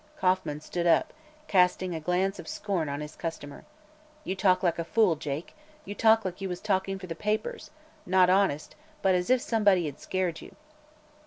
Kauffman stood up, casting a glance of scorn on his customer. "You talk like a fool, Jake; you talk like you was talking for the papers not honest, but as if someone had scared you."